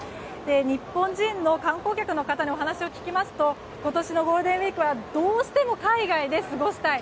日本人の観光客の方にお話を聞きますと今年のゴールデンウィークはどうしても海外で過ごしたい。